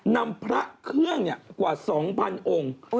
นำพระเครื่องกว่า๒๐๐องค์